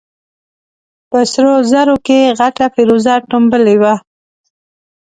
په سرو زرو کې غټه فېروزه ټومبلې وه.